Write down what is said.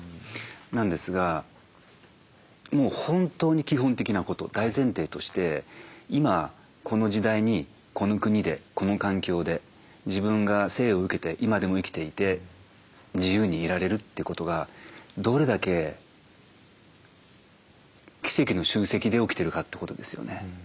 なんですがもう本当に基本的なこと大前提として今この時代にこの国でこの環境で自分が生を受けて今でも生きていて自由にいられるということがどれだけ奇跡の集積で起きてるかってことですよね。